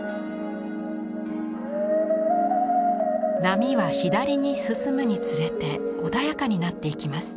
波は左に進むにつれて穏やかになっていきます。